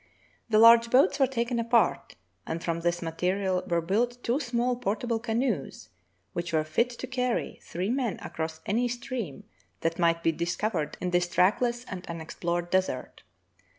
The large boats were taken apart, and from this material were built two small portable canoes which were fit to carry three men across any stream that might be discovered in this trackless and unexplored desert.